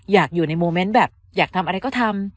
อยากอยู่ในโมเมนต์แบบอยากทำอะไรก็ทำ